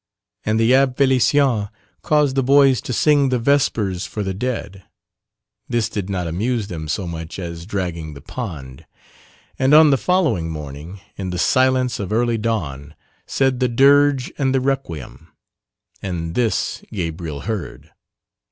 And the Abbé Félicien caused the boys to sing the Vespers for the Dead (this did not amuse them so much as dragging the pond), and on the following morning, in the silence of early dawn, said the Dirge and the Requiem and this Gabriel heard.